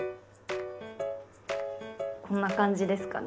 こんな感じですかね？